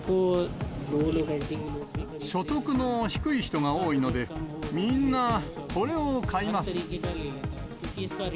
所得の低い人が多いので、みんなこれを買います。